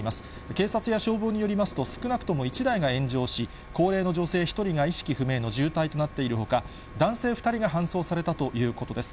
警察や消防によりますと、少なくとも１台が炎上し、高齢の女性１人が意識不明の重体となっているほか、男性２人が搬送されたということです。